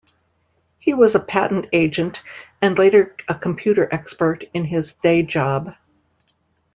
He was a patent agent, and later a computer expert, in his day job.